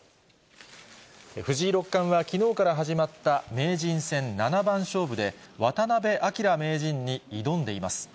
藤井六冠は、きのうから始まった名人戦七番勝負で、渡辺明名人に挑んでいます。